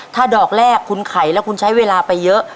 ถ้าดอกแรกคุณไขแล้วคุณใช้เวลาไปเยอะ